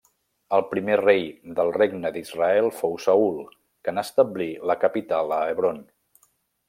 El primer rei del regne d'Israel fou Saül, que n'establí la capital a Hebron.